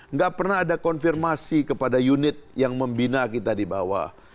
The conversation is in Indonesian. nggak pernah ada konfirmasi kepada unit yang membina kita di bawah